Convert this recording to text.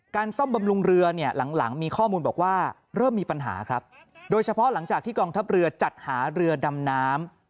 ซ่อมบำรุงเรือเนี่ยหลังมีข้อมูลบอกว่าเริ่มมีปัญหาครับโดยเฉพาะหลังจากที่กองทัพเรือจัดหาเรือดำน้ำ